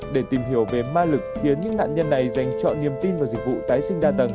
để tìm hiểu về ma lực khiến những nạn nhân này dành chọn niềm tin vào dịch vụ tái sinh đa tầng